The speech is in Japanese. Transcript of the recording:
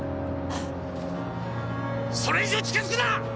それ以上近づくな！